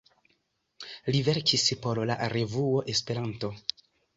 Li verkis por la "revuo Esperanto".